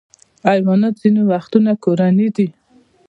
حیوانات ځینې وختونه کورني دي.